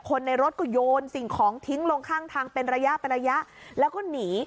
ในรถก็โยนสิ่งของทิ้งลงข้างทางเป็นระยะเป็นระยะแล้วก็หนี